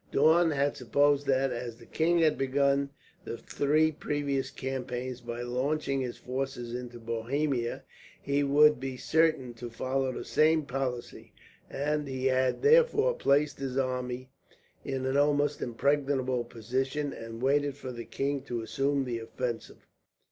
Daun had supposed that, as the king had begun the three previous campaigns by launching his forces into Bohemia, he would be certain to follow the same policy; and he had therefore placed his army in an almost impregnable position, and waited for the king to assume the offensive.